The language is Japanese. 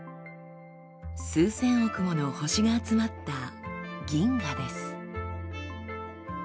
数千億もの星が集まった銀河です。